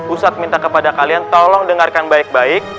ustadz minta kepada kalian tolong dengarkan baik baik